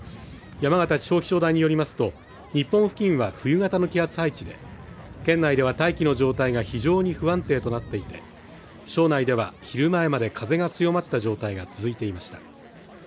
山形地方気象台によりますと日本付近は冬型の気圧配置で県内で大気の状態が非常に不安定となっていて庄内では昼前まで風が強まった状態が続いていました。